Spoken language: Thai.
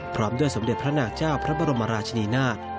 พร้อมด้วยสมเด็จพระนาเจ้าพระบรมราชนีนาฏ